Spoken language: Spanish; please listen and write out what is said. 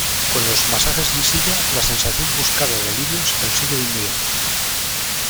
Con los "masajes en silla" la sensación buscada de alivio se consigue de inmediato.